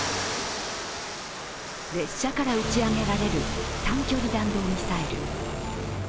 列車から打ち上げられる短距離弾道ミサイル。